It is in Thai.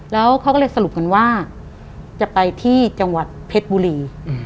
แล้วเขาก็เลยสรุปกันว่าจะไปที่จังหวัดเพชรบุรี